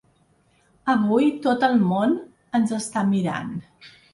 Avui tot el món ens està mirant.